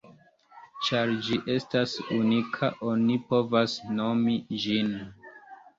Ĉar ĝi estas unika, oni povas nomi ĝin.